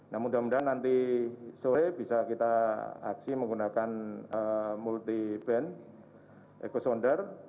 nah mudah mudahan nanti sore bisa kita aksi menggunakan multi band eco sonder